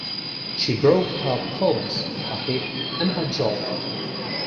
She broke her pelvis, a hip and her jaw.